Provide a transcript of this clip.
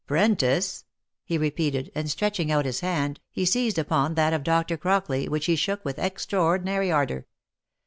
" Prentice ?" he repeated, and stretching out his hand, he seized upon that of Doctor Crockley, which he shook with extraordinary ardour.